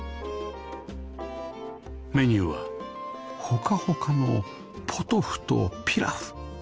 メニューはほかほかのポトフとピラフ